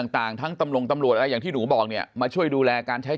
ต่างทั้งตำรงตำรวจอะไรอย่างที่หนูบอกเนี่ยมาช่วยดูแลการใช้